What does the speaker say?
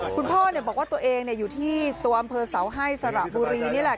คุณพ่อบอกว่าตัวเองอยู่ที่ตัวอำเภอเสาให้สระบุรีนี่แหละ